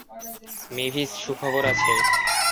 Mavis, সুখবর আছে!